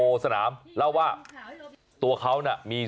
ชาวบ้านเท่านั้นเขาได้รับรู้แล้วโอ้โหทีนี้คุณพี่สันติวงศ์เพื่อนเพียบ